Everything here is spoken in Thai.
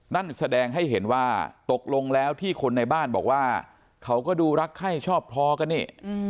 นั่นแสดงให้เห็นว่าตกลงแล้วที่คนในบ้านบอกว่าเขาก็ดูรักไข้ชอบพอกันนี่